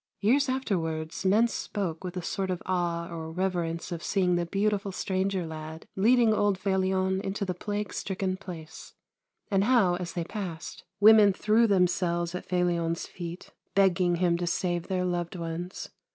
Years afterwards men spoke with a sort of awe or reverence of seeing the beautiful stranger lad leading old Felion into the plague stricken place, and how, as they passed, women threw themselves at Felion's feet, begging him to save their loved ones.